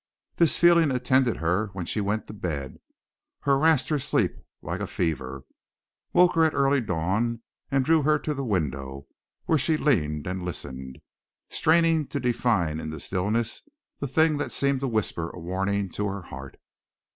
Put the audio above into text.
This feeling attended her when she went to bed, harassed her sleep like a fever, woke her at early dawn and drew her to the window, where she leaned and listened, straining to define in the stillness the thing that seemed to whisper a warning to her heart.